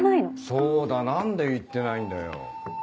そうだ何で言ってないんだよ。